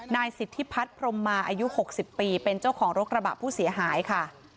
นายสิทธิพัฒน์พรมมาอายุ๖๐ปีเป็นเจ้าของรถกระบะผู้เสียหายค่ะ